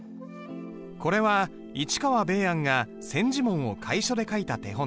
これは市河米庵が「千字文」を楷書で書いた手本だ。